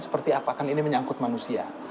seperti apakah ini menyangkut manusia